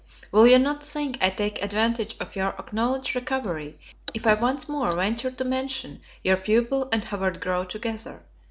Will you not think I take advantage of your acknowledged recovery, if I once more venture to mention your pupil and Howard Grove together?